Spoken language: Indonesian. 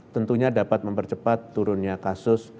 tentunya dapat mempercepat turunnya kasus